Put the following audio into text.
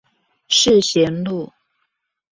世賢路